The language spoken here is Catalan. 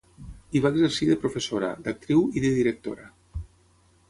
Hi va exercir de professora, d'actriu i de directora.